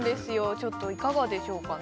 ちょっといかがでしょうかね？